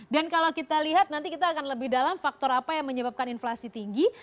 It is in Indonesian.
dan kalau kita lihat nanti kita akan lebih dalam faktor apa yang menyebabkan inflasi tinggi